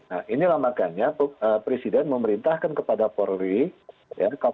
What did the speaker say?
nah inilah makanya presiden memerintahkan kepada polri